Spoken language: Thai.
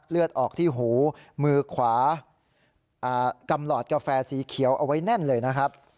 เลือดออกที่หูมือขวากำหลอดกาแฟสีเขียวเอาไว้แน่นเลยนะครับ